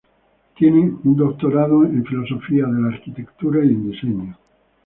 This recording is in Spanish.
Tiene un doctorado en filosofía de la arquitectura y en diseño.